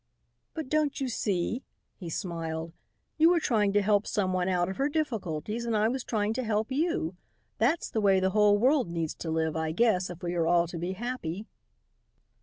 "But don't you see," he smiled; "you were trying to help someone out of her difficulties and I was trying to help you. That's the way the whole world needs to live, I guess, if we are all to be happy."